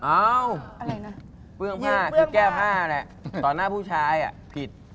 อะไรนะเปื้องผ้าคือแก้ผ้าแหละต่อหน้าผู้ชายผิด